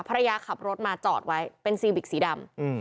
ภรรยาขับรถมาจอดไว้เป็นซีวิกสีดำ